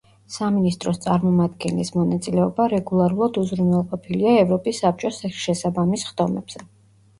სამინისტროს წარმომადგენლის მონაწილეობა რეგულარულად უზრუნველყოფილია ევროპის საბჭოს შესაბამის სხდომებზე.